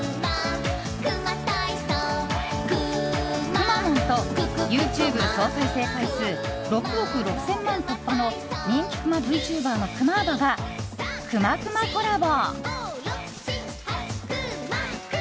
くまモンとＹｏｕＴｕｂｅ総再生回数６億６０００万突破の人気くまＶＴｕｂｅｒのクマーバが、くまくまコラボ！